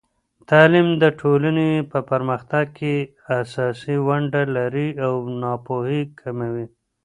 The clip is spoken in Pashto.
تعلیم د ټولنې په پرمختګ کې اساسي ونډه لري او ناپوهي کموي.